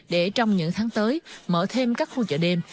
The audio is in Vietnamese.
để trong những tháng tới mở thêm các khu chợ đêm